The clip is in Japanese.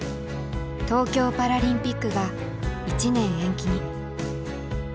東京パラリンピックが１年延期に。